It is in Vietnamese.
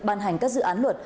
ban hành các dự án luật